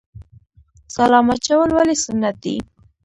سلام اچول ولې سنت دي؟